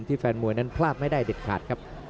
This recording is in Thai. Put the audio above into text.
แฟนมวยนั้นพลาดไม่ได้เด็ดขาดครับ